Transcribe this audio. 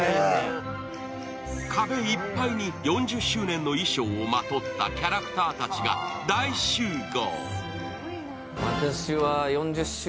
壁いっぱいに４０周年の衣装をまとったキャラクターたちが大集合。